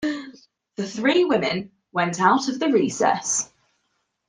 The three women went out of the recess.